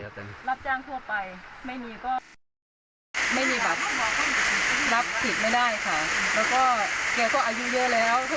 ร้านก็มีความสามารถได้แค่นี้อย่างนี้ค่ะ